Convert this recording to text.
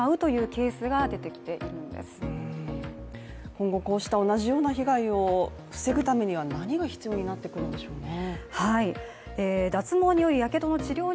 今後こうした同じような被害を防ぐためには何が必要になってくるんでしょうね。